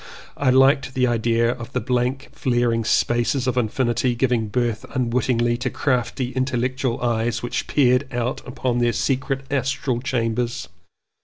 I liked the idea of the blank flaring spaces of infi nity giving birth unwittingly to crafty intellectual eyes which peered out upon their secret astral chambers.